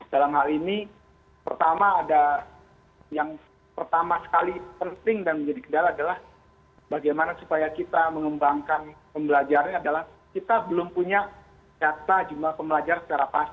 dalam hal ini pertama ada yang pertama sekali penting dan menjadi kendala adalah bagaimana supaya kita mengembangkan pembelajarannya adalah kita belum punya data jumlah pembelajar secara pasti